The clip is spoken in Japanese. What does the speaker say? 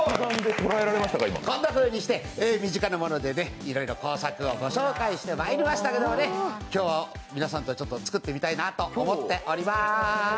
こんなふうにして身近なものでいろいろな工作をご紹介しましたけれども、今日は皆さんと作ってみたいなと思っております。